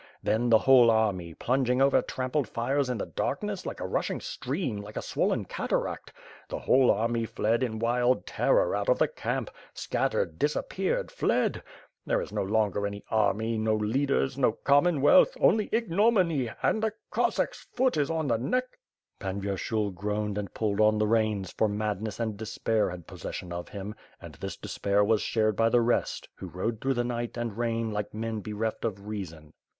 Then, the whole army, plunging over trampled fires in the darkness, like a rushing stream, like a swollen cataract; the whole army fled in wild terror, out of the camp; scattered, disappeared, fled. . There is no longer any army, no leaders, no commonwealth, only ignominy; and the Cossacks' foot is on the neck. .." Pan Vyershul groaned and pulled on the reins, for mad ness and despair had possession of him; and this despair was shared by the rest, who rode through the night and rain like men bereft of reason.